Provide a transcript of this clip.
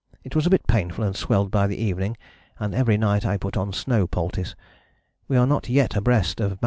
It was a bit painful and swelled by the evening, and every night I put on snow poultice. We are not yet abreast of Mt.